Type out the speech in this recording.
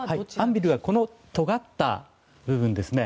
アンビルはこのとがった部分ですね。